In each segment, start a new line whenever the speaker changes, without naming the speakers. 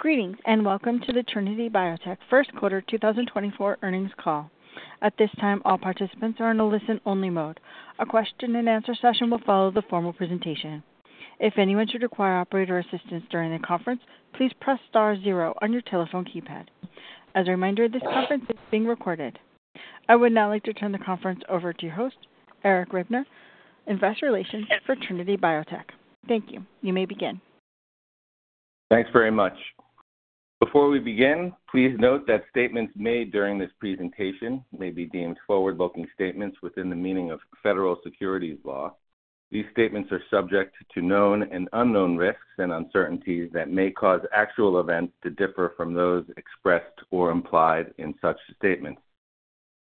Greetings, and welcome to the Trinity Biotech First Quarter 2024 Earnings Call. At this time, all participants are in a listen-only mode. A question and answer session will follow the formal presentation. If anyone should require operator assistance during the conference, please press star zero on your telephone keypad. As a reminder, this conference is being recorded. I would now like to turn the conference over to your host, Eric Ribner, Investor Relations for Trinity Biotech. Thank you. You may begin.
Thanks very much. Before we begin, please note that statements made during this presentation may be deemed forward-looking statements within the meaning of federal securities law. These statements are subject to known and unknown risks and uncertainties that may cause actual events to differ from those expressed or implied in such statements.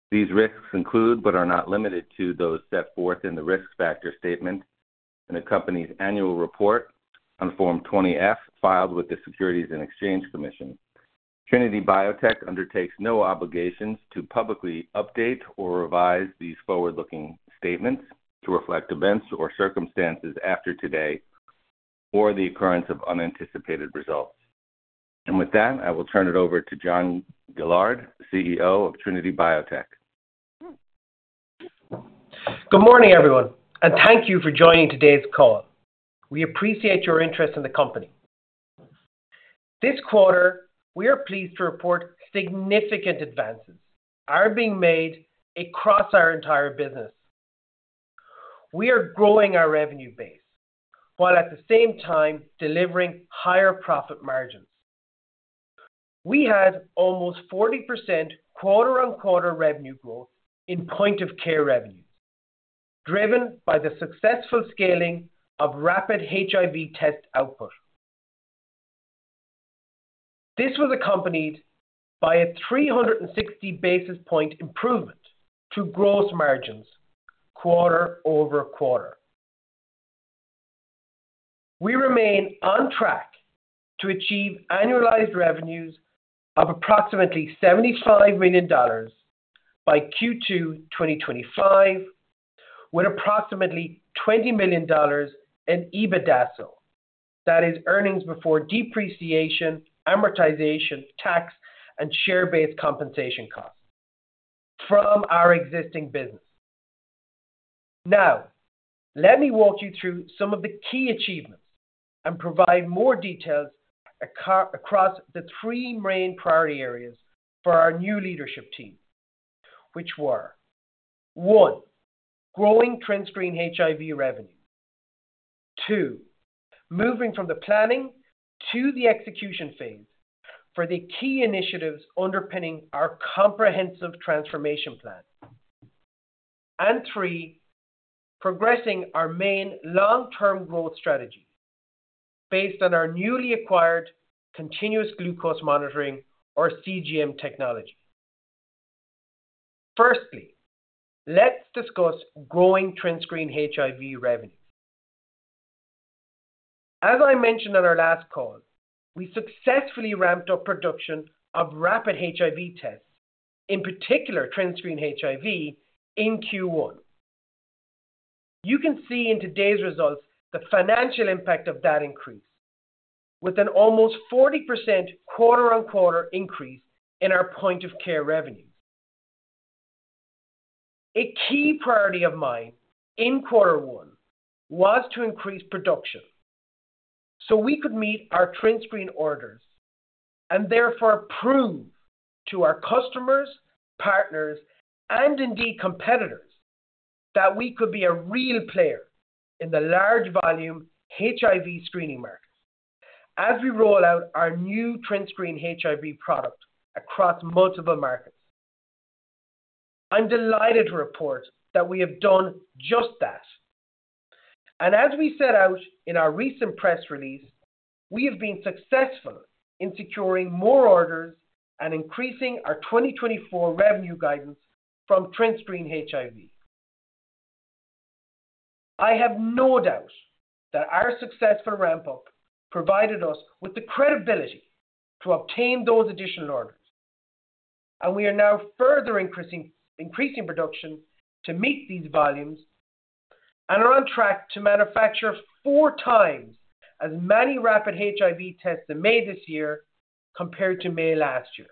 These risks include, but are not limited to, those set forth in the risk factor statement in the company's annual report on Form 20-F, filed with the Securities and Exchange Commission. Trinity Biotech undertakes no obligations to publicly update or revise these forward-looking statements to reflect events or circumstances after today or the occurrence of unanticipated results. With that, I will turn it over to John Gillard, CEO of Trinity Biotech.
Good morning, everyone, and thank you for joining today's call. We appreciate your interest in the company. This quarter, we are pleased to report significant advances are being made across our entire business. We are growing our revenue base, while at the same time delivering higher profit margins. We had almost 40% quarter-on-quarter revenue growth in Point of Care revenue, driven by the successful scaling of rapid HIV test output. This was accompanied by a 360 basis point improvement to gross margins quarter-over-quarter. We remain on track to achieve annualized revenues of approximately $75 million by Q2 2025, with approximately $20 million in EBITDASO. That is earnings before depreciation, amortization, tax, and share-based compensation costs from our existing business. Now, let me walk you through some of the key achievements and provide more details across the three main priority areas for our new leadership team, which were: one, growing TrinScreen HIV revenue; two, moving from the planning to the execution phase for the key initiatives underpinning our comprehensive transformation plan; and three, progressing our main long-term growth strategy based on our newly acquired Continuous Glucose Monitoring or CGM technology. Firstly, let's discuss growing TrinScreen HIV revenue. As I mentioned on our last call, we successfully ramped up production of rapid HIV tests, in particular, TrinScreen HIV, in Q1. You can see in today's results the financial impact of that increase, with an almost 40% quarter-over-quarter increase in our Point of Care revenue. A key priority of mine in quarter one was to increase production so we could meet our TrinScreen orders, and therefore prove to our customers, partners, and indeed competitors, that we could be a real player in the large volume HIV screening market as we roll out our new TrinScreen HIV product across multiple markets. I'm delighted to report that we have done just that, and as we set out in our recent press release, we have been successful in securing more orders and increasing our 2024 revenue guidance from TrinScreen HIV. I have no doubt that our successful ramp-up provided us with the credibility to obtain those additional orders, and we are now further increasing production to meet these volumes and are on track to manufacture four times as many rapid HIV tests in May this year compared to May last year.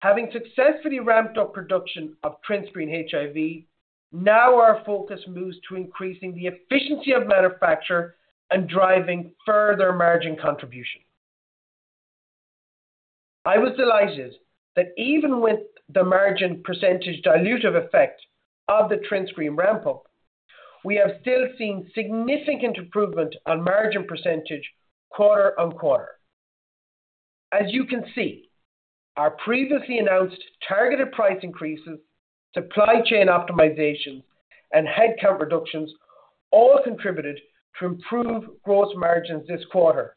Having successfully ramped up production of TrinScreen HIV, now our focus moves to increasing the efficiency of manufacture and driving further margin contribution. I was delighted that even with the margin percentage dilutive effect of the TrinScreen ramp-up, we have still seen significant improvement on margin percentage quarter-over-quarter. As you can see, our previously announced targeted price increases, supply chain optimizations, and headcount reductions all contributed to improve gross margins this quarter,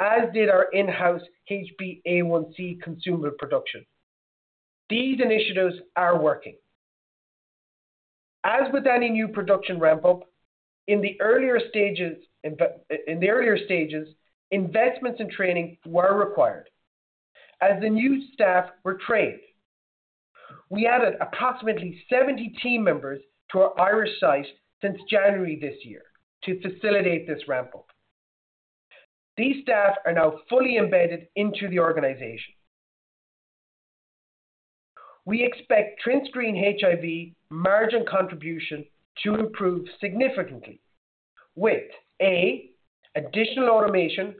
as did our in-house HbA1c consumable production. These initiatives are working. As with any new production ramp-up, in the earlier stages, investments in training were required as the new staff were trained. We added approximately 70 team members to our Irish site since January this year to facilitate this ramp up. These staff are now fully embedded into the organization. We expect TrinScreen HIV margin contribution to improve significantly with: A, additional automation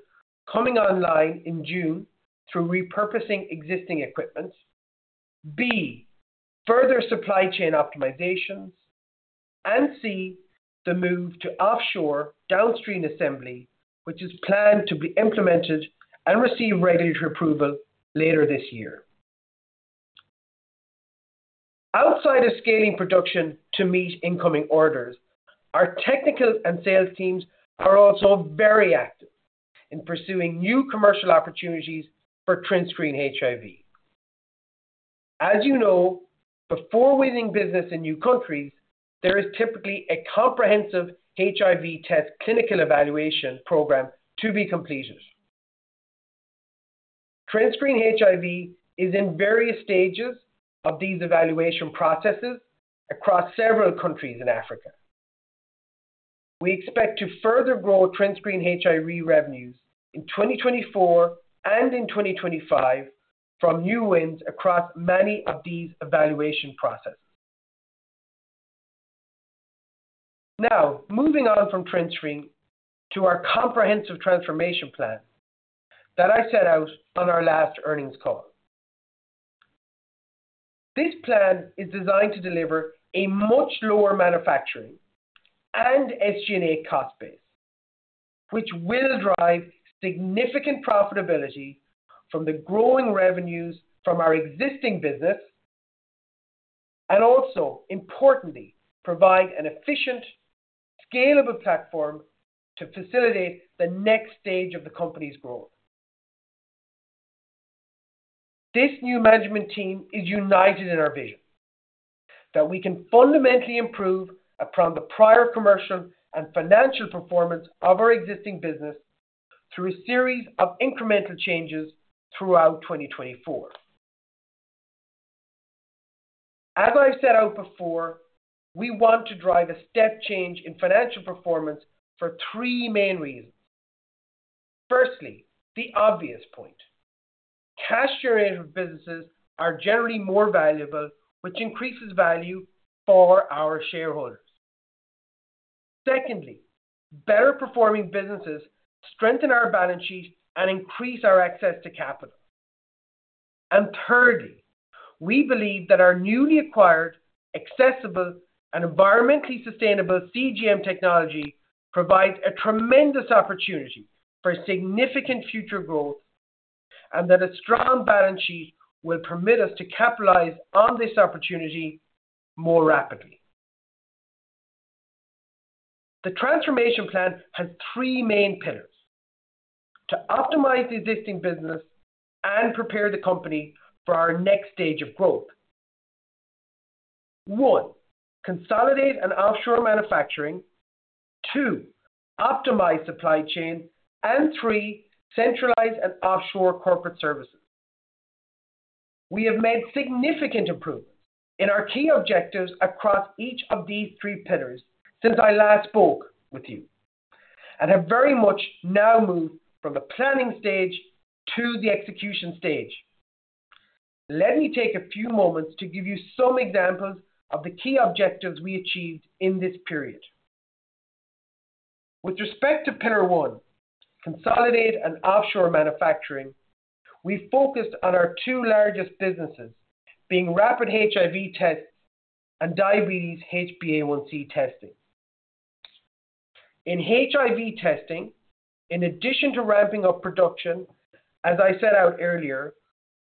coming online in June through repurposing existing equipment; B, further supply chain optimizations; and C, the move to offshore downstream assembly, which is planned to be implemented and receive regulatory approval later this year. Outside of scaling production to meet incoming orders, our technical and sales teams are also very active in pursuing new commercial opportunities for TrinScreen HIV. As you know, before winning business in new countries, there is typically a comprehensive HIV test clinical evaluation program to be completed. TrinScreen HIV is in various stages of these evaluation processes across several countries in Africa. We expect to further grow TrinScreen HIV revenues in 2024 and in 2025 from new wins across many of these evaluation processes. Now, moving on from TrinScreen to our comprehensive transformation plan that I set out on our last earnings call. This plan is designed to deliver a much lower manufacturing and SG&A cost base, which will drive significant profitability from the growing revenues from our existing business, and also, importantly, provide an efficient, scalable platform to facilitate the next stage of the company's growth. This new management team is united in our vision, that we can fundamentally improve upon the prior commercial and financial performance of our existing business through a series of incremental changes throughout 2024. As I've set out before, we want to drive a step change in financial performance for three main reasons. Firstly, the obvious point, cash generative businesses are generally more valuable, which increases value for our shareholders. Secondly, better performing businesses strengthen our balance sheet and increase our access to capital. Thirdly, we believe that our newly acquired, accessible and environmentally sustainable CGM technology provides a tremendous opportunity for significant future growth, and that a strong balance sheet will permit us to capitalize on this opportunity more rapidly. The transformation plan has three main pillars: to optimize the existing business and prepare the company for our next stage of growth. One, consolidate and offshore manufacturing. Two, optimize supply chain, and three, centralize and offshore corporate services. We have made significant improvements in our key objectives across each of these three pillars since I last spoke with you, and have very much now moved from the planning stage to the execution stage. Let me take a few moments to give you some examples of the key objectives we achieved in this period. With respect to pillar one, consolidate and offshore manufacturing, we focused on our two largest businesses, being rapid HIV tests and diabetes HbA1c testing. In HIV testing, in addition to ramping up production, as I set out earlier,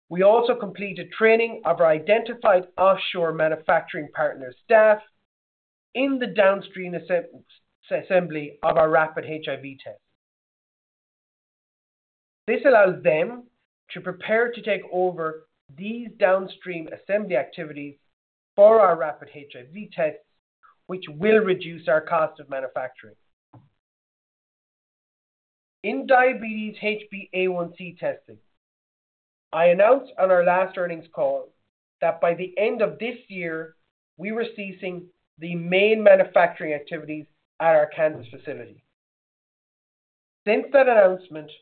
we also completed training of our identified offshore manufacturing partner staff in the downstream assembly of our rapid HIV test. This allows them to prepare to take over these downstream assembly activities for our rapid HIV tests, which will reduce our cost of manufacturing. In diabetes HbA1c testing, I announced on our last earnings call that by the end of this year, we were ceasing the main manufacturing activities at our Kansas facility. Since that announcement,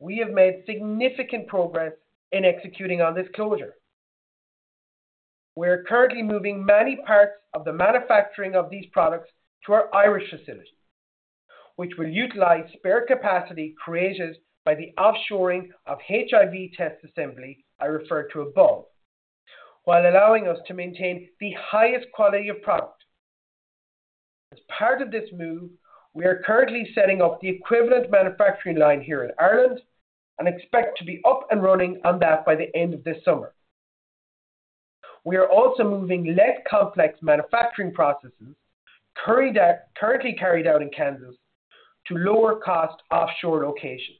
we have made significant progress in executing on this closure. We're currently moving many parts of the manufacturing of these products to our Irish facility, which will utilize spare capacity created by the offshoring of HIV test assembly I referred to above, while allowing us to maintain the highest quality of product. As part of this move, we are currently setting up the equivalent manufacturing line here in Ireland, and expect to be up and running on that by the end of this summer. We are also moving less complex manufacturing processes, currently carried out in Kansas, to lower-cost offshore locations.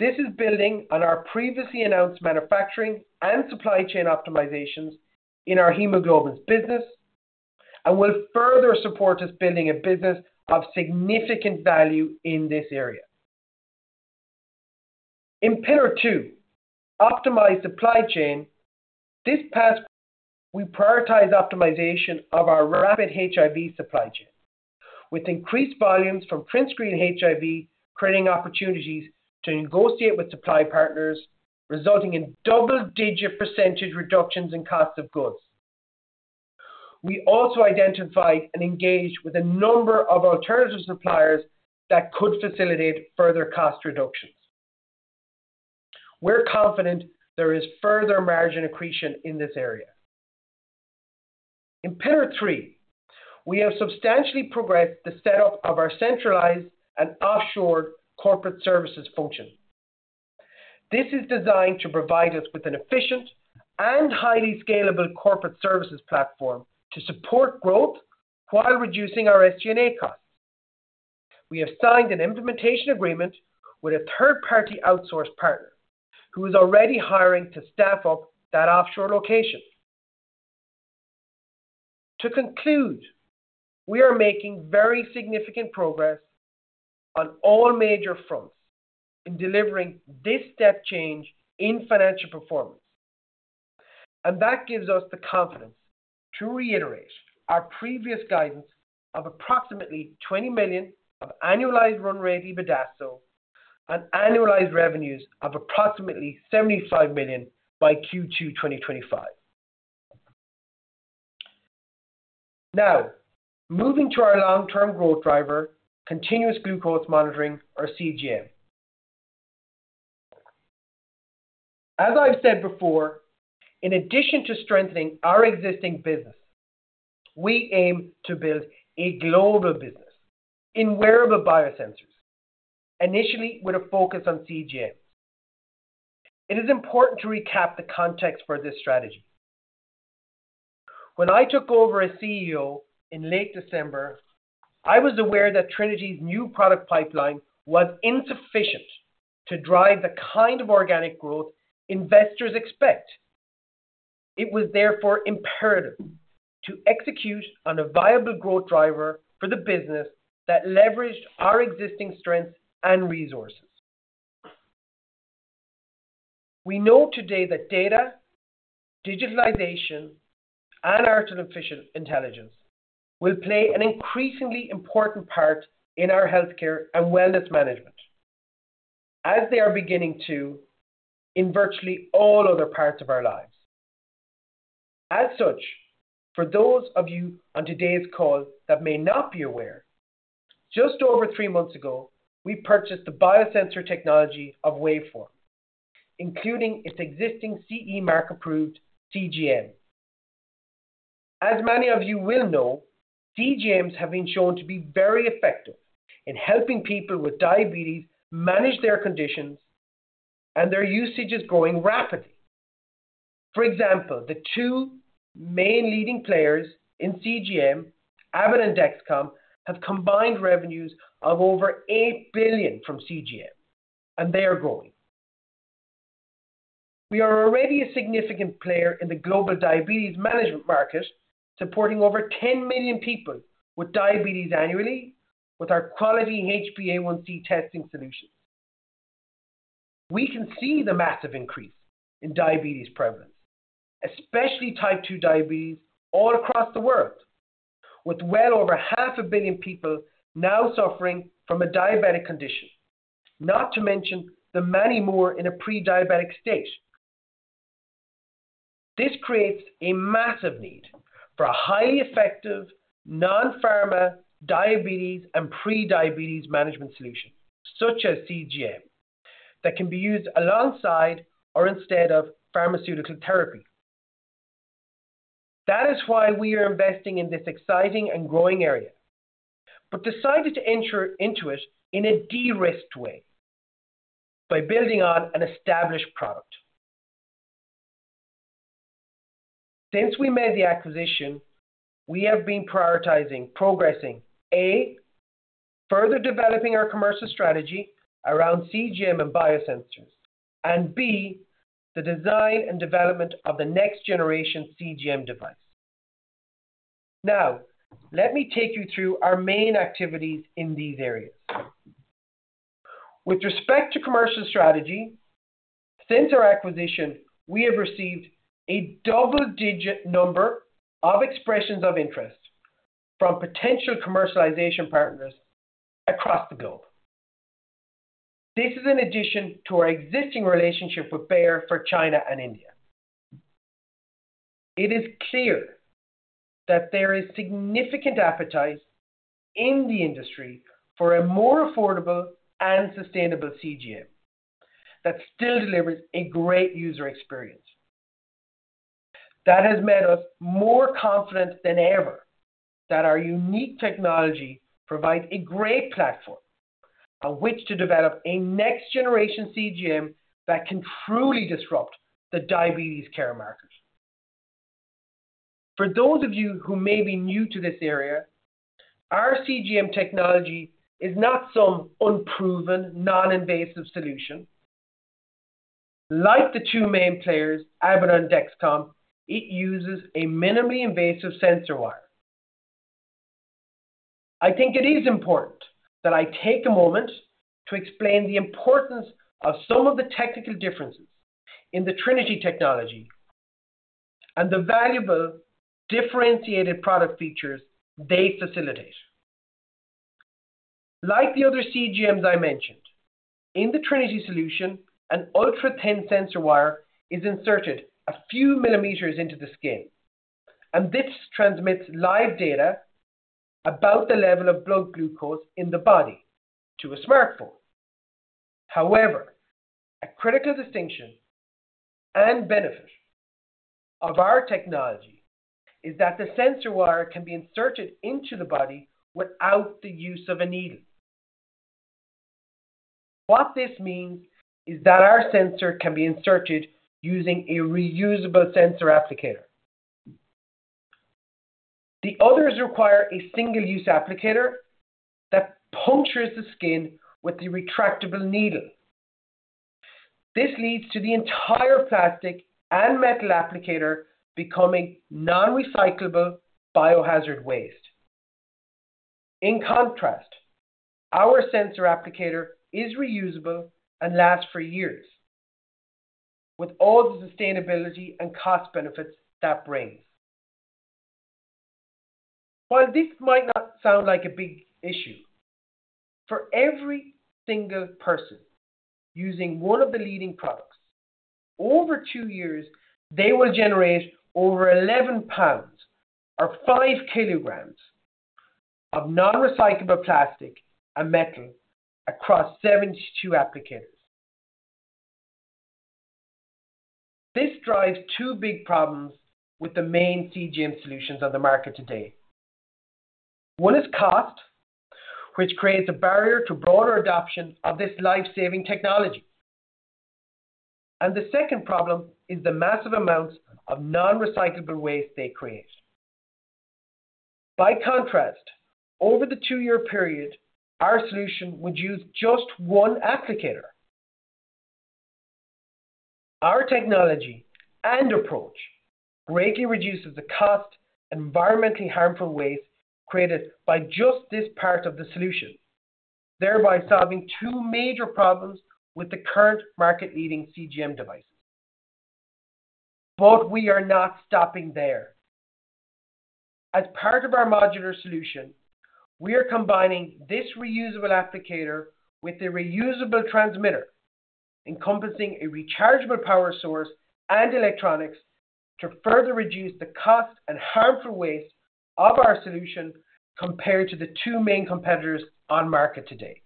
This is building on our previously announced manufacturing and supply chain optimizations in our hemoglobins business, and will further support us building a business of significant value in this area. In pillar two, optimize supply chain. This past, we prioritize optimization of our rapid HIV supply chain, with increased volumes from TrinScreen HIV, creating opportunities to negotiate with supply partners, resulting in double-digit percentage reductions in cost of goods. We also identified and engaged with a number of alternative suppliers that could facilitate further cost reductions. We're confident there is further margin accretion in this area. In pillar three, we have substantially progressed the setup of our centralized and offshore corporate services function. This is designed to provide us with an efficient and highly scalable corporate services platform to support growth while reducing our SG&A costs. We have signed an implementation agreement with a third-party outsource partner, who is already hiring to staff up that offshore location. To conclude, we are making very significant progress on all major fronts in delivering this step change in financial performance, and that gives us the confidence to reiterate our previous guidance of approximately $20 million of annualized run rate EBITDASO and annualized revenues of approximately $75 million by Q2 2025. Now, moving to our long-term growth driver, continuous glucose monitoring, or CGM. As I've said before, in addition to strengthening our existing business, we aim to build a global business in wearable biosensors, initially with a focus on CGM. It is important to recap the context for this strategy. When I took over as CEO in late December, I was aware that Trinity's new product pipeline was insufficient to drive the kind of organic growth investors expect. It was therefore imperative to execute on a viable growth driver for the business that leveraged our existing strengths and resources. We know today that data, digitalization, and artificial intelligence will play an increasingly important part in our healthcare and wellness management, as they are beginning to in virtually all other parts of our lives. As such, for those of you on today's call that may not be aware, just over three months ago, we purchased the biosensor technology of Waveform, including its existing CE mark-approved CGM. As many of you will know, CGMs have been shown to be very effective in helping people with diabetes manage their conditions, and their usage is growing rapidly. For example, the two main leading players in CGM, Abbott and Dexcom, have combined revenues of over $8 billion from CGM, and they are growing. We are already a significant player in the global diabetes management market, supporting over 10 million people with diabetes annually with our quality HbA1c testing solution. We can see the massive increase in diabetes prevalence, especially type 2 diabetes, all across the world, with well over half a billion people now suffering from a diabetic condition, not to mention the many more in a pre-diabetic state. This creates a massive need for a highly effective non-pharma diabetes and pre-diabetes management solution, such as CGM, that can be used alongside or instead of pharmaceutical therapy. That is why we are investing in this exciting and growing area, but decided to enter into it in a de-risked way by building on an established product. Since we made the acquisition, we have been prioritizing progressing: A, further developing our commercial strategy around CGM and biosensors; and B, the design and development of the next generation CGM device. Now, let me take you through our main activities in these areas. With respect to commercial strategy, since our acquisition, we have received a double-digit number of expressions of interest from potential commercialization partners across the globe. This is in addition to our existing relationship with Bayer for China and India. It is clear that there is significant appetite in the industry for a more affordable and sustainable CGM that still delivers a great user experience. That has made us more confident than ever that our unique technology provides a great platform on which to develop a next-generation CGM that can truly disrupt the diabetes care market. For those of you who may be new to this area, our CGM technology is not some unproven, non-invasive solution. Like the two main players, Abbott and Dexcom, it uses a minimally invasive sensor wire. I think it is important that I take a moment to explain the importance of some of the technical differences in the Trinity technology and the valuable differentiated product features they facilitate. Like the other CGMs I mentioned, in the Trinity solution, an ultra-thin sensor wire is inserted a few millimeters into the skin, and this transmits live data about the level of blood glucose in the body to a smartphone. However, a critical distinction and benefit of our technology is that the sensor wire can be inserted into the body without the use of a needle. What this means is that our sensor can be inserted using a reusable sensor applicator. The others require a single-use applicator that punctures the skin with a retractable needle. This leads to the entire plastic and metal applicator becoming non-recyclable biohazard waste. In contrast, our sensor applicator is reusable and lasts for years, with all the sustainability and cost benefits that brings. While this might not sound like a big issue, for every single person using one of the leading products, over two years, they will generate over 11 lbs or 5 kg of non-recyclable plastic and metal across 72 applicators. This drives two big problems with the main CGM solutions on the market today. One is cost, which creates a barrier to broader adoption of this life-saving technology. The second problem is the massive amounts of non-recyclable waste they create. By contrast, over the two-year period, our solution would use just one applicator. Our technology and approach greatly reduces the cost and environmentally harmful waste created by just this part of the solution, thereby solving two major problems with the current market-leading CGM device. But we are not stopping there. As part of our modular solution, we are combining this reusable applicator with a reusable transmitter, encompassing a rechargeable power source and electronics to further reduce the cost and harmful waste of our solution compared to the two main competitors on market today.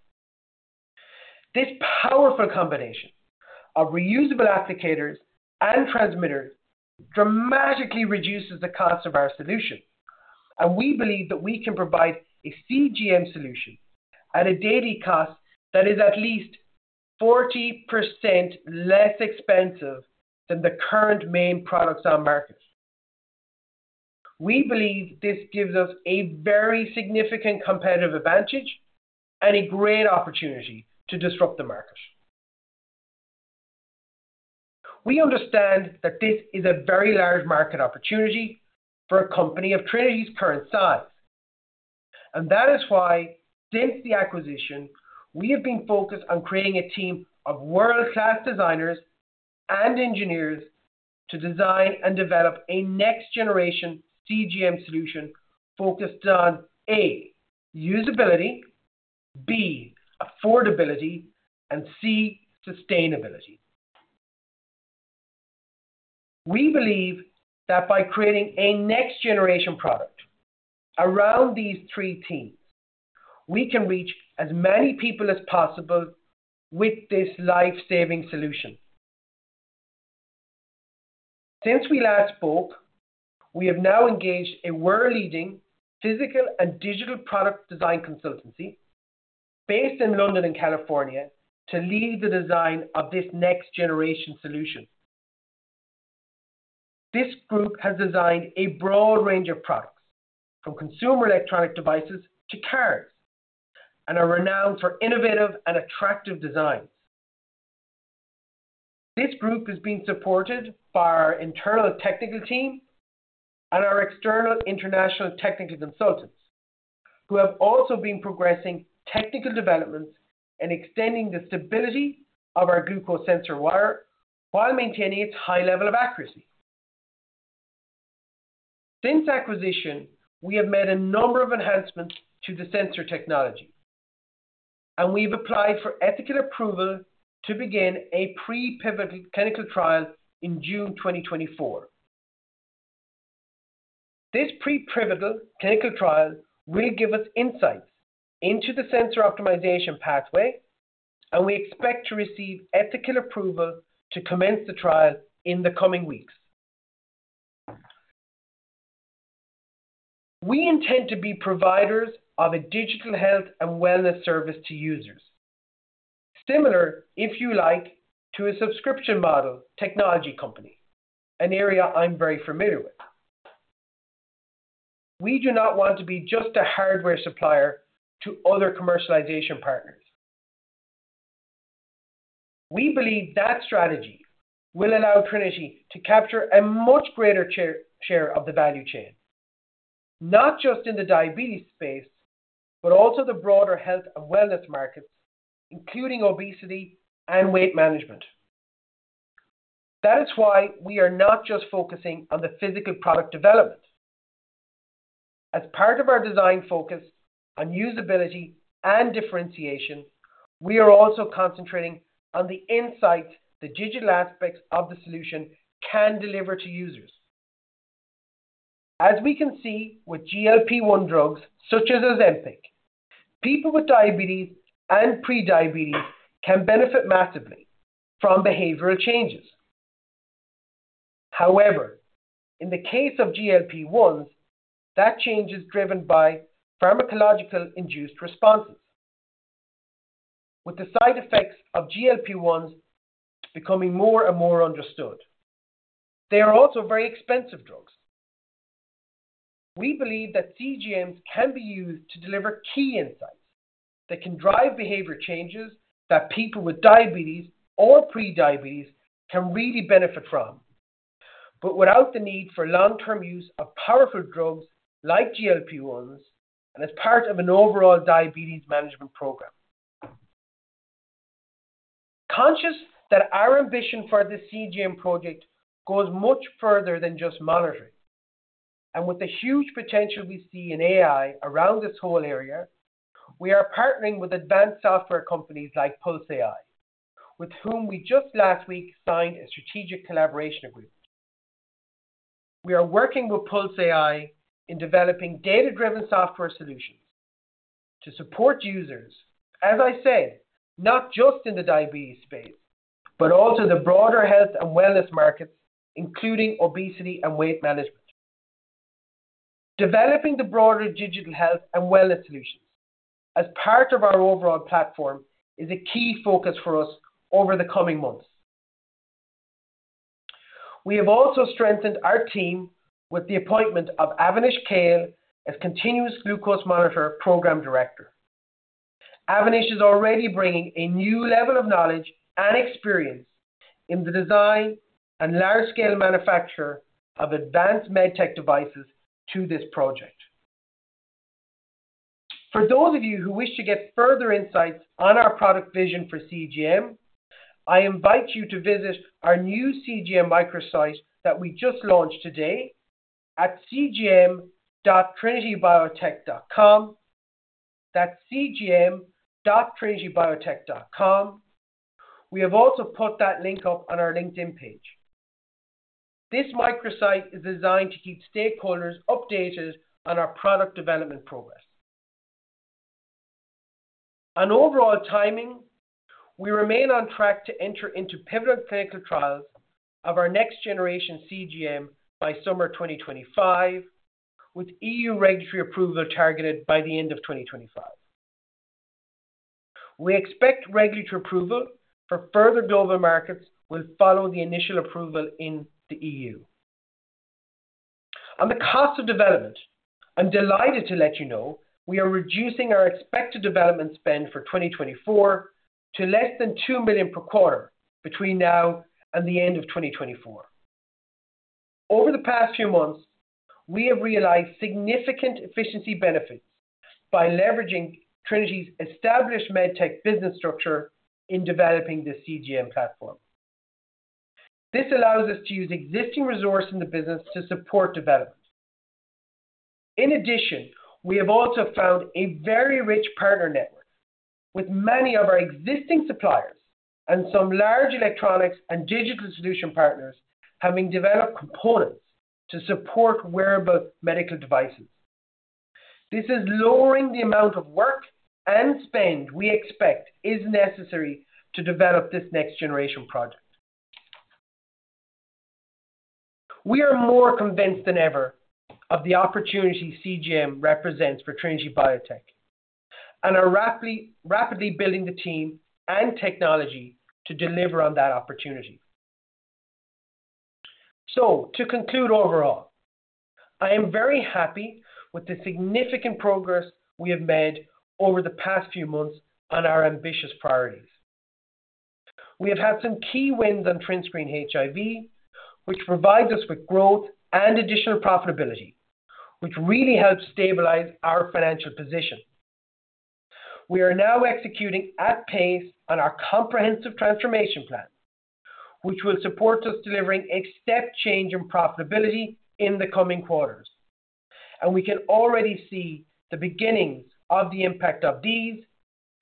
This powerful combination of reusable applicators and transmitters dramatically reduces the cost of our solution, and we believe that we can provide a CGM solution at a daily cost that is at least 40% less expensive than the current main products on market. We believe this gives us a very significant competitive advantage and a great opportunity to disrupt the market. We understand that this is a very large market opportunity for a company of Trinity's current size, and that is why, since the acquisition, we have been focused on creating a team of world-class designers and engineers to design and develop a next-generation CGM solution focused on: A, usability; B, affordability; and C, sustainability. We believe that by creating a next-generation product around these three themes, we can reach as many people as possible with this life-saving solution. Since we last spoke, we have now engaged a world-leading physical and digital product design consultancy based in London and California, to lead the design of this next-generation solution. This group has designed a broad range of products, from consumer electronic devices to cars, and are renowned for innovative and attractive designs. This group is being supported by our internal technical team and our external international technical consultants, who have also been progressing technical developments and extending the stability of our glucose sensor wire while maintaining its high level of accuracy. Since acquisition, we have made a number of enhancements to the sensor technology, and we've applied for ethical approval to begin a pre-pivotal clinical trial in June 2024. This pre-pivotal clinical trial will give us insights into the sensor optimization pathway, and we expect to receive ethical approval to commence the trial in the coming weeks. We intend to be providers of a digital health and wellness service to users. Similar, if you like, to a subscription model technology company, an area I'm very familiar with. We do not want to be just a hardware supplier to other commercialization partners. We believe that strategy will allow Trinity to capture a much greater share, share of the value chain, not just in the diabetes space, but also the broader health and wellness markets, including obesity and weight management. That is why we are not just focusing on the physical product development. As part of our design focus on usability and differentiation, we are also concentrating on the insight the digital aspects of the solution can deliver to users. As we can see with GLP-1 drugs, such as Ozempic, people with diabetes and pre-diabetes can benefit massively from behavioral changes. However, in the case of GLP-1s, that change is driven by pharmacological induced responses. With the side effects of GLP-1s becoming more and more understood, they are also very expensive drugs. We believe that CGMs can be used to deliver key insights that can drive behavior changes that people with diabetes or pre-diabetes can really benefit from, but without the need for long-term use of powerful drugs like GLP-1s and as part of an overall diabetes management program. Conscious that our ambition for this CGM project goes much further than just monitoring, and with the huge potential we see in AI around this whole area, we are partnering with advanced software companies like PulseAI, with whom we just last week signed a strategic collaboration agreement. We are working with PulseAI in developing data-driven software solutions to support users, as I said, not just in the diabetes space, but also the broader health and wellness markets, including obesity and weight management. Developing the broader digital health and wellness solutions as part of our overall platform is a key focus for us over the coming months. We have also strengthened our team with the appointment of Avinash Kale as Continuous Glucose Monitor Program Director. Avinash is already bringing a new level of knowledge and experience in the design and large-scale manufacture of advanced med tech devices to this project. For those of you who wish to get further insights on our product vision for CGM, I invite you to visit our new CGM microsite that we just launched today at cgm.trinitybiotech.com. That's cgm.trinitybiotech.com. We have also put that link up on our LinkedIn page. This microsite is designed to keep stakeholders updated on our product development progress. On overall timing, we remain on track to enter into pivotal clinical trials of our next generation CGM by summer 2025, with EU regulatory approval targeted by the end of 2025. We expect regulatory approval for further global markets will follow the initial approval in the EU. On the cost of development, I'm delighted to let you know we are reducing our expected development spend for 2024 to less than $2 million per quarter between now and the end of 2024. Over the past few months, we have realized significant efficiency benefits by leveraging Trinity's established med tech business structure in developing the CGM platform. This allows us to use existing resources in the business to support development. In addition, we have also found a very rich partner network with many of our existing suppliers and some large electronics and digital solution partners having developed components to support wearable medical devices. This is lowering the amount of work and spend we expect is necessary to develop this next generation product. We are more convinced than ever of the opportunity CGM represents for Trinity Biotech and are rapidly, rapidly building the team and technology to deliver on that opportunity. So to conclude overall, I am very happy with the significant progress we have made over the past few months on our ambitious priorities. We have had some key wins on TrinScreen HIV, which provides us with growth and additional profitability, which really helps stabilize our financial position. We are now executing at pace on our comprehensive transformation plan, which will support us delivering a step change in profitability in the coming quarters, and we can already see the beginnings of the impact of these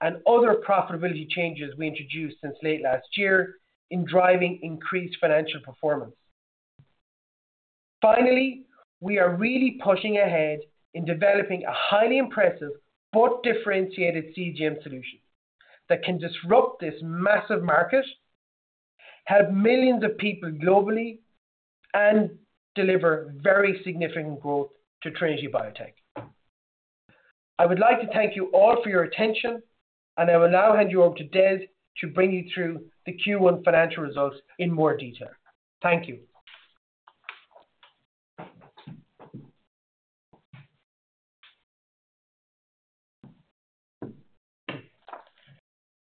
and other profitability changes we introduced since late last year in driving increased financial performance. Finally, we are really pushing ahead in developing a highly impressive but differentiated CGM solution that can disrupt this massive market, help millions of people globally, and deliver very significant growth to Trinity Biotech. I would like to thank you all for your attention, and I will now hand you over to Des to bring you through the Q1 financial results in more detail. Thank you.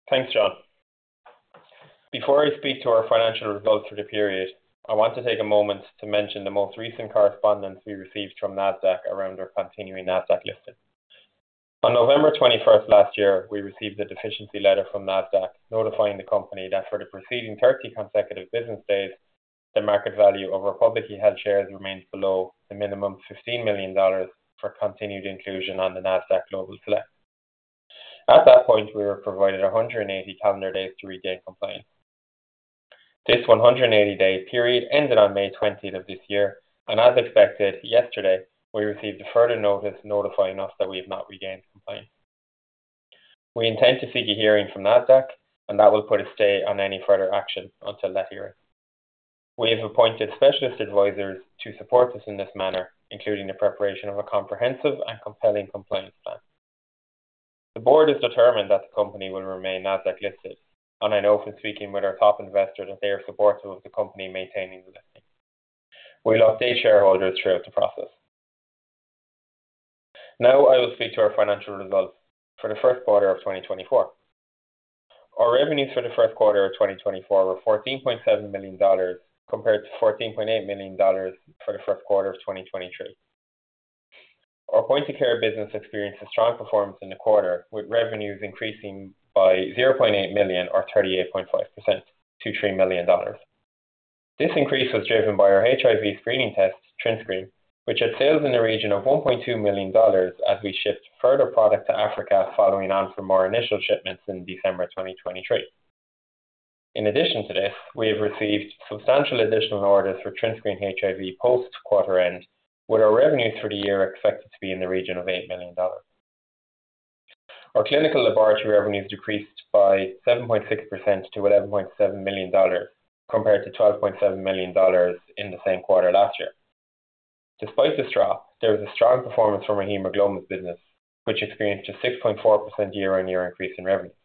Thanks, John. Before I speak to our financial results for the period, I want to take a moment to mention the most recent correspondence we received from NASDAQ around our continuing NASDAQ listing. On November 21st last year, we received a deficiency letter from NASDAQ notifying the company that for the preceding 30 consecutive business days, the market value of our publicly held shares remained below the minimum $15 million for continued inclusion on the NASDAQ Global Select. At that point, we were provided 180 calendar days to regain compliance. This 180 day period ended on May 20th of this year, and as expected, yesterday we received a further notice notifying us that we have not regained compliance. We intend to seek a hearing from NASDAQ, and that will put a stay on any further action until that hearing. We have appointed specialist advisors to support us in this manner, including the preparation of a comprehensive and compelling compliance plan. The board is determined that the company will remain NASDAQ-listed, and I know from speaking with our top investors that they are supportive of the company maintaining the listing. We'll update shareholders throughout the process. Now I will speak to our financial results for the first quarter of 2024. Our revenues for the first quarter of 2024 were $14.7 million, compared to $14.8 million for the first quarter of 2023. Our Point of Care business experienced a strong performance in the quarter, with revenues increasing by $0.8 million or 38.5% to $3 million. This increase was driven by our HIV screening test, TrinScreen, which had sales in the region of $1.2 million as we shipped further product to Africa following on from our initial shipments in December 2023. In addition to this, we have received substantial additional orders for TrinScreen HIV post-quarter end, with our revenues for the year expected to be in the region of $8 million. Our clinical laboratory revenues decreased by 7.6% to $11.7 million, compared to $12.7 million in the same quarter last year. Despite this drop, there was a strong performance from our hemoglobins business, which experienced a 6.4% year-on-year increase in revenues.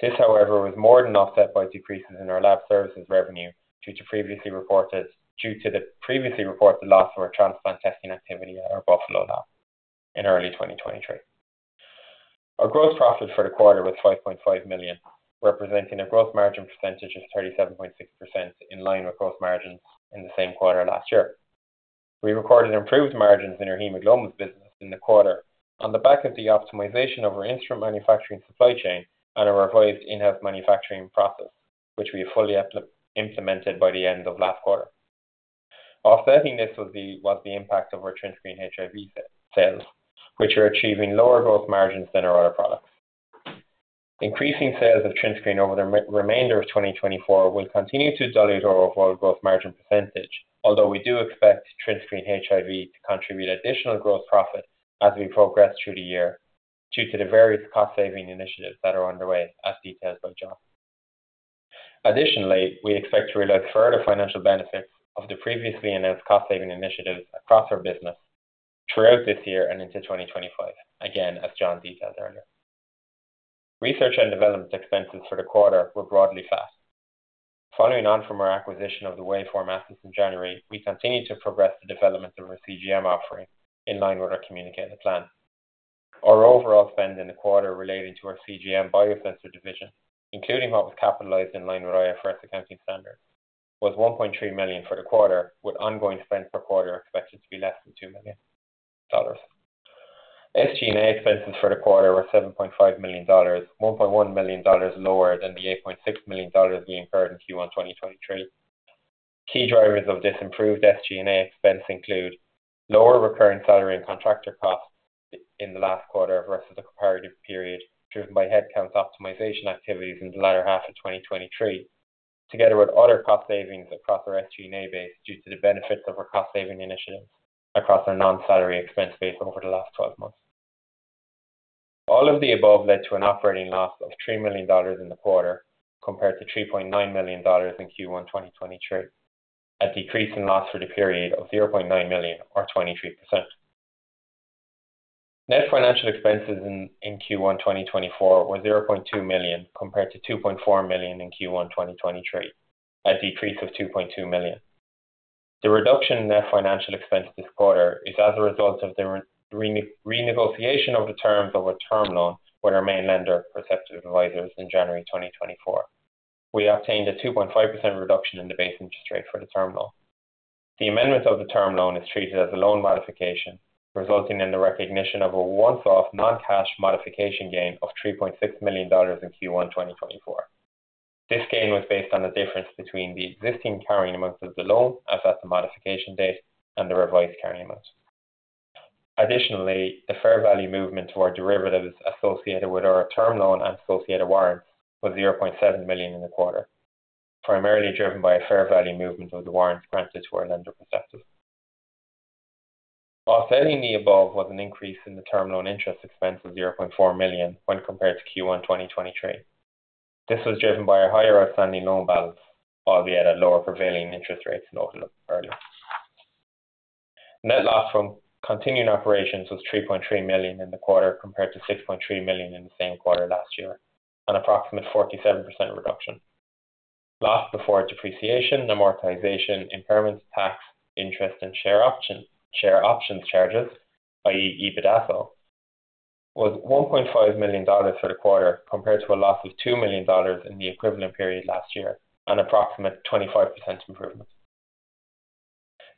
This, however, was more than offset by decreases in our lab services revenue due to the previously reported loss of our transplant testing activity at our Buffalo lab in early 2023. Our gross profit for the quarter was $5.5 million, representing a gross margin percentage of 37.6%, in line with gross margins in the same quarter last year. We recorded improved margins in our hemoglobins business in the quarter on the back of the optimization of our instrument manufacturing supply chain and our revised in-house manufacturing process, which we fully implemented by the end of last quarter. Offsetting this was the impact of our TrinScreen HIV sales, which are achieving lower gross margins than our other products. Increasing sales of TrinScreen over the remainder of 2024 will continue to dilute our overall gross margin percentage, although we do expect TrinScreen HIV to contribute additional gross profit as we progress through the year, due to the various cost-saving initiatives that are underway, as detailed by John. Additionally, we expect to realize further financial benefits of the previously announced cost-saving initiatives across our business throughout this year and into 2025, again, as John detailed earlier. Research and development expenses for the quarter were broadly flat. Following on from our acquisition of the Waveform assets in January, we continue to progress the development of our CGM offering in line with our communicated plan. Our overall spend in the quarter relating to our CGM biosensor division, including what was capitalized in line with IFRS accounting standards, was $1.3 million for the quarter, with ongoing spend per quarter expected to be less than $2 million. SG&A expenses for the quarter were $7.5 million, $1.1 million lower than the $8.6 million we incurred in Q1 2023. Key drivers of this improved SG&A expense include lower recurring salary and contractor costs in the last quarter versus the comparative period, driven by headcount optimization activities in the latter half of 2023, together with other cost savings across our SG&A base due to the benefits of our cost-saving initiatives across our non-salary expense base over the last twelve months. All of the above led to an operating loss of $3 million in the quarter, compared to $3.9 million in Q1 2023, a decrease in loss for the period of $0.9 million or 23%. Net financial expenses in Q1 2024 were $0.2 million, compared to $2.4 million in Q1 2023, a decrease of $2.2 million. The reduction in net financial expense this quarter is as a result of the renegotiation of the terms of a term loan with our main lender, Perceptive Advisors, in January 2024. We obtained a 2.5% reduction in the base interest rate for the term loan. The amendment of the term loan is treated as a loan modification, resulting in the recognition of a one-off non-cash modification gain of $3.6 million in Q1 2024. This gain was based on the difference between the existing carrying amount of the loan as at the modification date and the revised carrying amount. Additionally, the fair value movement to our derivatives associated with our term loan and associated warrants was $0.7 million in the quarter, primarily driven by a fair value movement of the warrants granted to our lender, Perceptive. Offsetting the above was an increase in the term loan interest expense of $0.4 million when compared to Q1 2023. This was driven by a higher outstanding loan balance, albeit at lower prevailing interest rates noted earlier. Net loss from continuing operations was $3.3 million in the quarter, compared to $6.3 million in the same quarter last year, an approximate 47% reduction. Loss before depreciation, amortization, impairments, tax, interest, and share option, share options charges, i.e., EBITDASO, was $1.5 million for the quarter, compared to a loss of $2 million in the equivalent period last year, an approximate 25% improvement.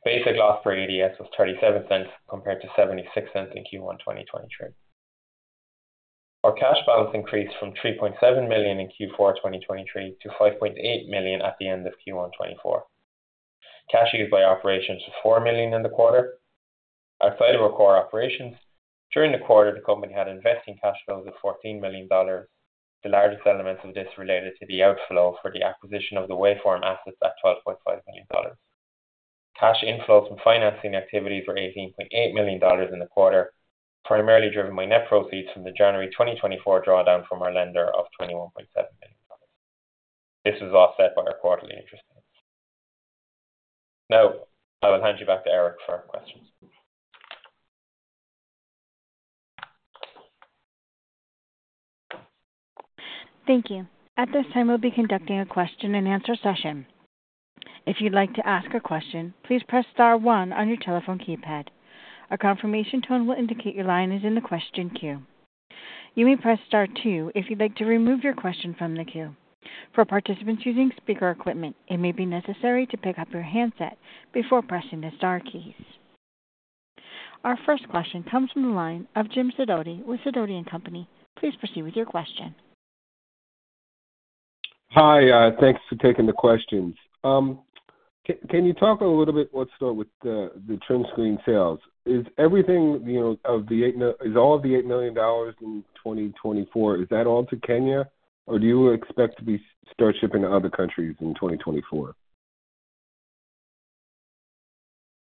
Basic loss per ADS was $0.37, compared to $0.76 in Q1 2023. Our cash balance increased from $3.7 million in Q4 2023, to $5.8 million at the end of Q1 2024. Cash used by operations was $4 million in the quarter. Outside of our core operations, during the quarter, the company had investing cash flows of $14 million. The largest elements of this related to the outflow for the acquisition of the Waveform assets at $12.5 million. Cash inflows from financing activity were $18.8 million in the quarter, primarily driven by net proceeds from the January 2024 drawdown from our lender of $21.7 million. This was offset by our quarterly interest. Now, I will hand you back to Eric for questions.
Thank you. At this time, we'll be conducting a question and answer session. If you'd like to ask a question, please press star one on your telephone keypad. A confirmation tone will indicate your line is in the question queue. You may press star two if you'd like to remove your question from the queue. For participants using speaker equipment, it may be necessary to pick up your handset before pressing the star keys. Our first question comes from the line of Jim Sidoti with Sidoti & Company. Please proceed with your question.
Hi, thanks for taking the questions. Can you talk a little bit, let's start with the TrinScreen sales. Is everything, you know, of the $8 million in 2024, is that all to Kenya? Or do you expect to be start shipping to other countries in 2024?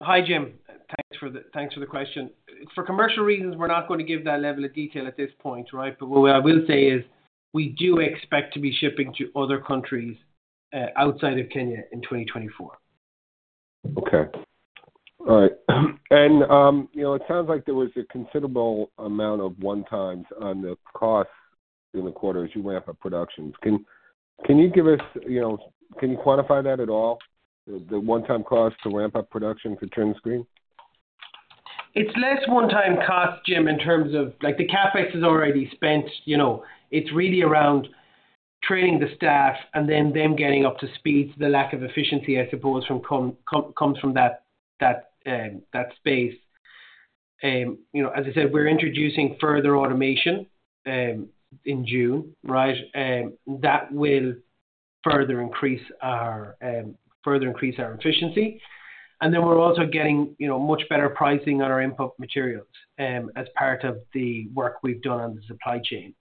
Hi, Jim. Thanks for the, thanks for the question. For commercial reasons, we're not going to give that level of detail at this point, right? But what I will say is we do expect to be shipping to other countries, outside of Kenya in 2024.
Okay. All right. And, you know, it sounds like there was a considerable amount of one-times on the costs in the quarter as you ramp up productions. Can you give us, you know, can you quantify that at all, the one-time cost to ramp up production for TrinScreen?
It's less one-time cost, Jim, in terms of like the CapEx is already spent, you know. It's really around training the staff and then them getting up to speed. The lack of efficiency, I suppose, from comes from that, that, that space. You know, as I said, we're introducing further automation in June, right? That will further increase our further increase our efficiency. And then we're also getting, you know, much better pricing on our input materials as part of the work we've done on the supply chain.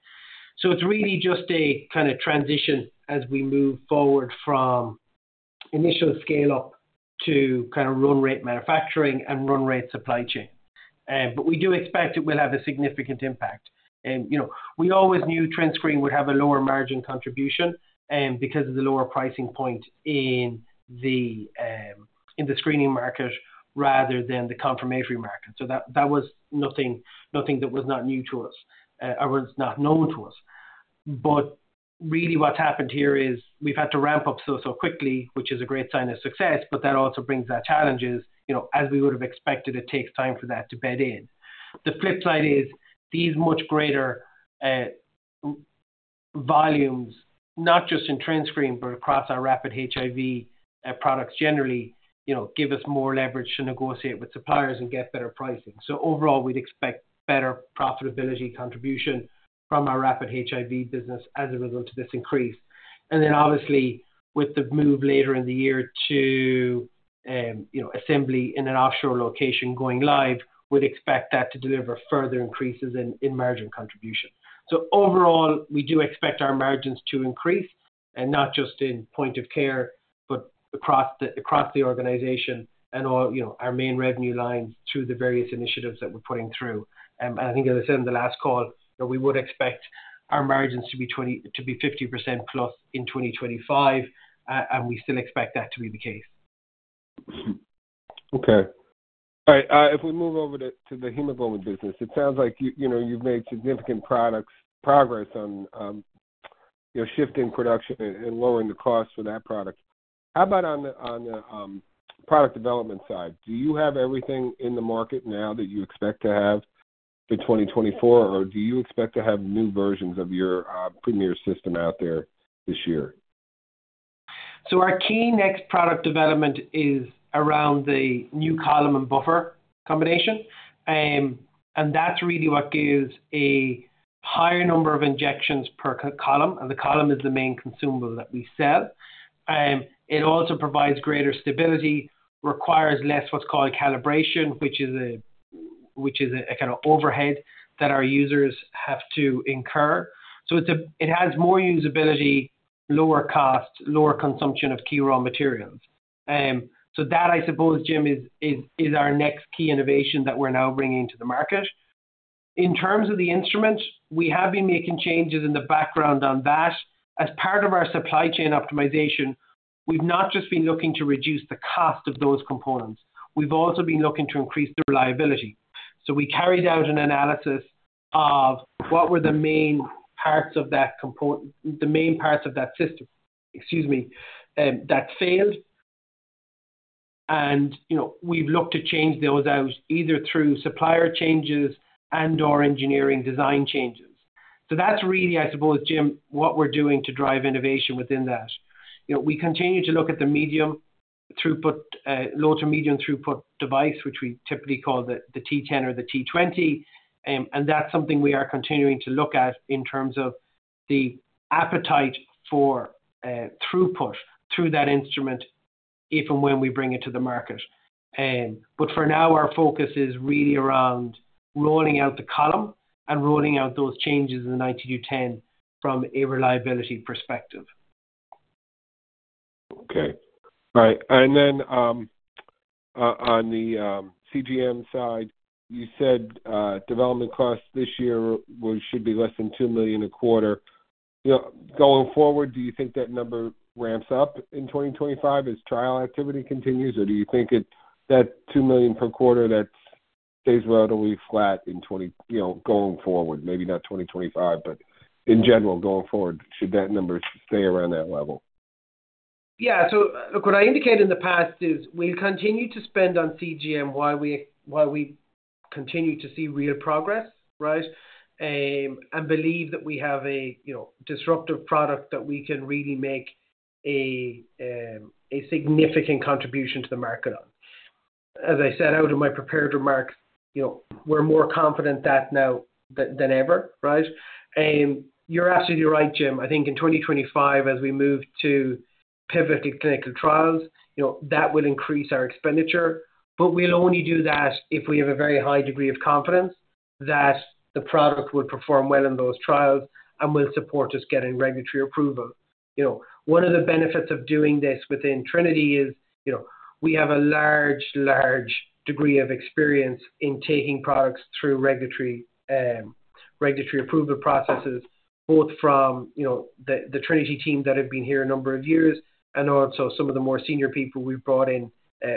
So it's really just a kind of transition as we move forward from initial scale-up to kind of run rate manufacturing and run rate supply chain. But we do expect it will have a significant impact. You know, we always knew TrinScreen would have a lower margin contribution, because of the lower pricing point in the, in the screening market rather than the confirmatory market. So that, that was nothing, nothing that was not new to us, or was not known to us. But really what's happened here is we've had to ramp up so, so quickly, which is a great sign of success, but that also brings our challenges. You know, as we would have expected, it takes time for that to bed in. The flip side is, these much greater, volumes, not just in TrinScreen, but across our rapid HIV, products generally, you know, give us more leverage to negotiate with suppliers and get better pricing. So overall, we'd expect better profitability contribution from our rapid HIV business as a result of this increase. Then obviously, with the move later in the year to, you know, assembly in an offshore location going live, we'd expect that to deliver further increases in margin contribution. So overall, we do expect our margins to increase, and not just in Point of Care, but across the organization and all, you know, our main revenue lines through the various initiatives that we're putting through. And I think as I said in the last call, that we would expect our margins to be 50%+ in 2025, and we still expect that to be the case.
Okay. All right, if we move over to the hemoglobin business, it sounds like you know, you've made significant product progress on shifting production and lowering the cost for that product. How about on the product development side? Do you have everything in the market now that you expect to have in 2024, or do you expect to have new versions of your Premier system out there this year?
So our key next product development is around the new column and buffer combination. And that's really what gives a higher number of injections per column. And the column is the main consumable that we sell. It also provides greater stability, requires less what's called calibration, which is a kind of overhead that our users have to incur. So it has more usability, lower cost, lower consumption of key raw materials. So that, I suppose, Jim, is our next key innovation that we're now bringing to the market. In terms of the instruments, we have been making changes in the background on that. As part of our supply chain optimization, we've not just been looking to reduce the cost of those components, we've also been looking to increase the reliability. So we carried out an analysis of what were the main parts of that system, excuse me, that failed. And, you know, we've looked to change those out, either through supplier changes and/or engineering design changes. So that's really, I suppose, Jim, what we're doing to drive innovation within that. You know, we continue to look at the medium throughput, low to medium throughput device, which we typically call the T10 or the T20. And that's something we are continuing to look at in terms of the appetite for throughput through that instrument if and when we bring it to the market. But for now, our focus is really around rolling out the column and rolling out those changes in the 9210 from a reliability perspective.
Okay. All right. And then, on the CGM side, you said, development costs this year should be less than $2 million a quarter. You know, going forward, do you think that number ramps up in 2025 as trial activity continues? Or do you think it, that $2 million per quarter, that stays relatively flat in, you know, going forward, maybe not 2025, but in general, going forward, should that number stay around that level?
Yeah. So look, what I indicated in the past is we'll continue to spend on CGM while we, while we continue to see real progress, right? And believe that we have a, you know, disruptive product that we can really make a, a significant contribution to the market on. As I said out in my prepared remarks, you know, we're more confident that now than than ever, right? You're absolutely right, Jim. I think in 2025, as we move to pivotal clinical trials, you know, that will increase our expenditure. But we'll only do that if we have a very high degree of confidence that the product will perform well in those trials and will support us getting regulatory approval. You know, one of the benefits of doing this within Trinity is, you know, we have a large, large degree of experience in taking products through regulatory, regulatory approval processes, both from, you know, the, the Trinity team that have been here a number of years, and also some of the more senior people we've brought in,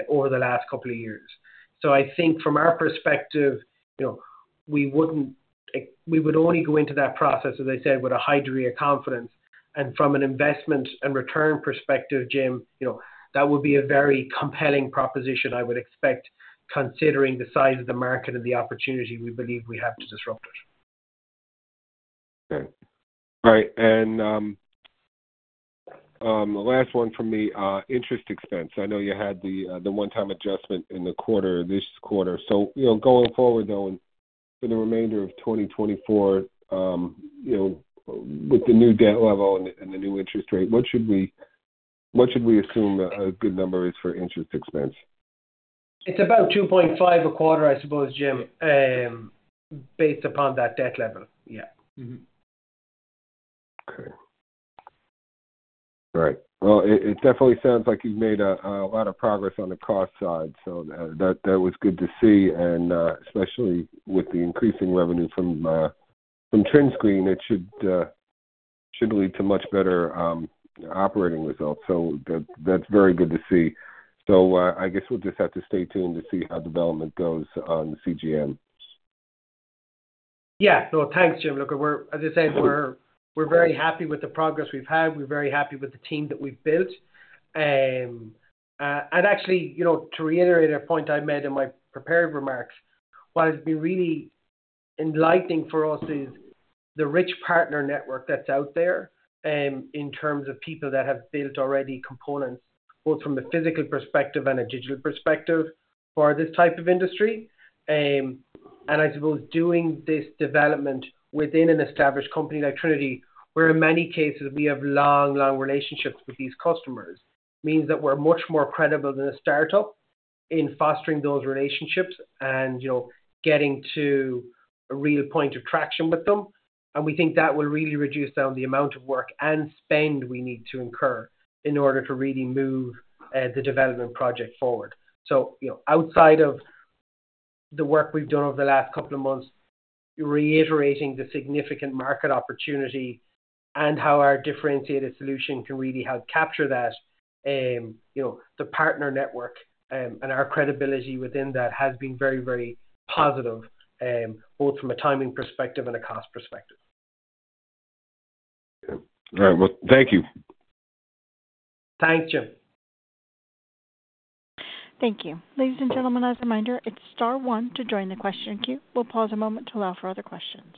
over the last couple of years. So I think from our perspective, you know, we would only go into that process, as I said, with a high degree of confidence. And from an investment and return perspective, Jim, you know, that would be a very compelling proposition, I would expect, considering the size of the market and the opportunity we believe we have to disrupt it.
Okay. All right. And, the last one from me, interest expense. I know you had the, the one-time adjustment in the quarter, this quarter. So, you know, going forward, though, and for the remainder of 2024, you know, with the new debt level and the, and the new interest rate, what should we, what should we assume a, a good number is for interest expense?
It's about $2.5 a quarter, I suppose, Jim, based upon that debt level. Yeah. Mm-hmm.
Okay. All right. Well, it definitely sounds like you've made a lot of progress on the cost side, so that was good to see. And especially with the increasing revenue from TrinScreen, it should lead to much better operating results. So that's very good to see. So I guess we'll just have to stay tuned to see how development goes on the CGM.
Yeah. No, thanks, Jim. Look, we're, as I said, we're, we're very happy with the progress we've had. We're very happy with the team that we've built. And actually, you know, to reiterate a point I made in my prepared remarks, what has been really enlightening for us is the rich partner network that's out there, in terms of people that have built already components, both from a physical perspective and a digital perspective, for this type of industry. And I suppose doing this development within an established company like Trinity, where in many cases we have long, long relationships with these customers, means that we're much more credible than a startup in fostering those relationships and, you know, getting to a real point of traction with them. We think that will really reduce down the amount of work and spend we need to incur in order to really move the development project forward. So, you know, outside of the work we've done over the last couple of months, reiterating the significant market opportunity and how our differentiated solution can really help capture that, you know, the partner network and our credibility within that has been very, very positive, both from a timing perspective and a cost perspective.
All right. Well, thank you.
Thanks, Jim.
Thank you. Ladies and gentlemen, as a reminder, it's star one to join the question queue. We'll pause a moment to allow for other questions.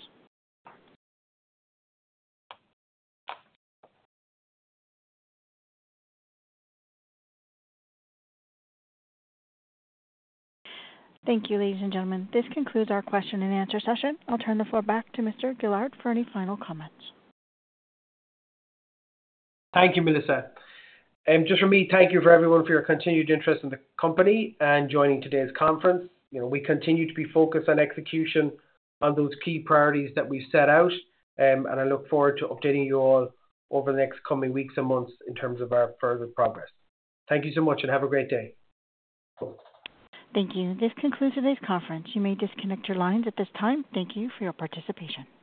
Thank you, ladies and gentlemen. This concludes our question and answer session. I'll turn the floor back to Mr. Gillard for any final comments.
Thank you, Melissa. Just from me, thank you for everyone for your continued interest in the company and joining today's conference. You know, we continue to be focused on execution on those key priorities that we set out, and I look forward to updating you all over the next coming weeks and months in terms of our further progress. Thank you so much, and have a great day.
Thank you. This concludes today's conference. You may disconnect your lines at this time. Thank you for your participation.